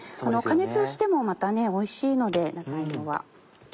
加熱してもまたおいしいので長芋は。